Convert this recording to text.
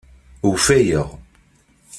Ufayeɣ.